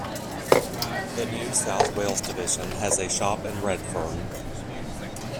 The New South Wales Division has a shop in Redfern.